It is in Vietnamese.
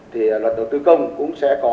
thì luật đầu tư công cũng sẽ có